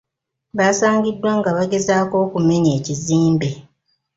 Baasangiddwa nga bagezaako okumenya ekizimbe.